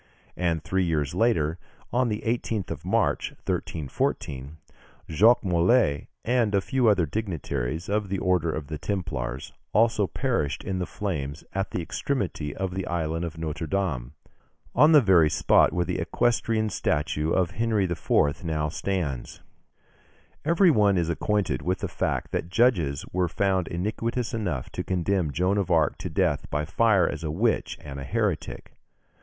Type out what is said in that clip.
And three years later, on the 18th March, 1314, Jacques Molay, and a few other dignitaries of the Order of the Templars, also perished in the flames at the extremity of the island of Notre Dame, on the very spot where the equestrian statue of Henry IV. now stands. Every one is acquainted with the fact that judges were found iniquitous enough to condemn Joan of Arc to death by fire as a witch and a heretic.